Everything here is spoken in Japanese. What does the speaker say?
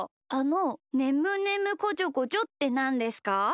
あの「ねむねむこちょこちょ」ってなんですか？